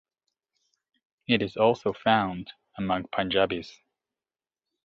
It is also found among Punjabis.